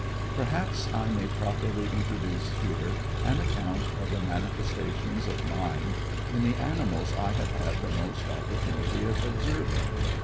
Perhaps I may properly introduce here an account of the manifestations of mind in the animals I have had the most opportunity of observing.